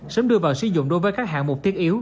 sớm đưa vào sử dụng đối với các hạng mục thiết yếu